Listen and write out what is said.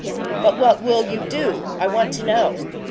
"But what will you do? I want to know."